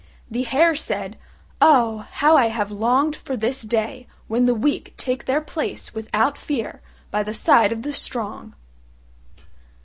The hare said, "Oh! how I have longed for this day when the weak take their place without fear by the side of the strong!"